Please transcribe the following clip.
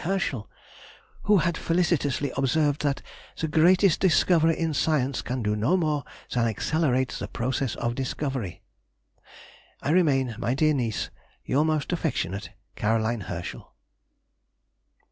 Herschel) who had felicitously observed that "the greatest discoverer in science can do no more than accelerate the progress of discovery."... I remain, my dear niece, Your most affectionate CAR. HERSCHEL.